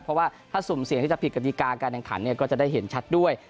เพราะว่าถ้าสุ่มเสี่ยงที่จะผิดกฎิกาการแข่งขันก็จะได้เห็นชัดด้วย